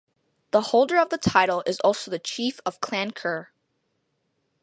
The holder of the title is also the Chief of Clan Kerr.